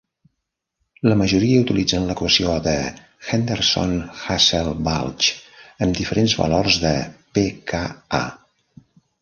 La majoria utilitzen l'equació de Henderson-Hasselbalch amb diferents valors de pKA.